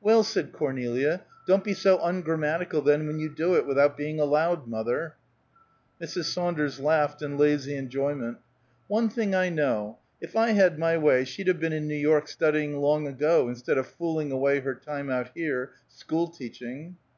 "Well," said Cornelia, "don't be so ungrammatical, then, when you do it without being allowed, mother." Mrs. Saunders laughed in lazy enjoyment. "One thing I know; if I had my way she'd have been in New York studying long ago, instead of fooling away her time out here, school teaching."